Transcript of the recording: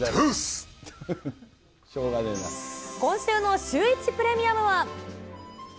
今週のシューイチプレミアムは。